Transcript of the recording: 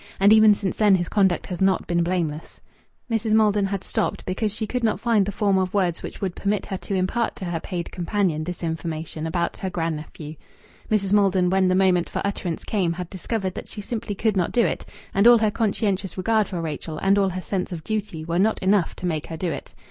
And even since then his conduct has not been blameless." Mrs. Maldon had stopped because she could not find the form of words which would permit her to impart to her paid companion this information about her grand nephew. Mrs. Maldon, when the moment for utterance came, had discovered that she simply could not do it, and all her conscientious regard for Rachel and all her sense of duty were not enough to make her do it.